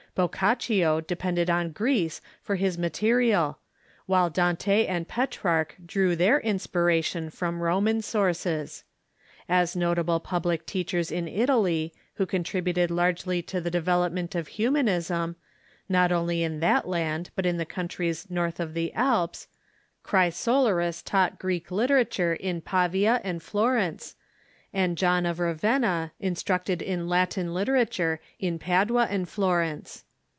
Boccaccio depended on Greece for his mate rial, Avhile Dante and Petrarch drew their inspiration from Ro man sources. As notable public teachers in Italy, who contrib uted largely to the development of Humanism, not only in that land, but in the countries north of the Alps, Chrysoloras taught Greek literature in Pavia and Florence, and John of Ravenna instructed in Latin literature in Padua and Florence.